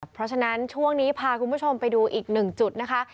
เพราะฉะนั้นช่วงนี้พาคุณผู้ชมไปดูอีกหนึ่งจุดนะคะ